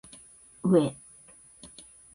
うぇ